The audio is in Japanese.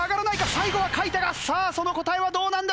最後は書いたがさあその答えはどうなんだ？